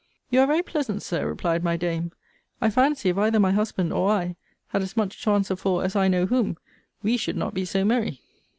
You are very pleasant, Sir, replied my dame. I fancy, if either my husband or I had as much to answer for as I know whom, we should not be so merry.